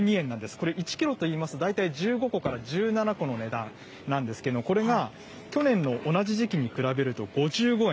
これ、１キロといいますと、大体１５個から１７個の値段なんですけど、これが去年の同じ時期に比べると５５円。